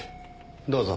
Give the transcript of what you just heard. どうぞ。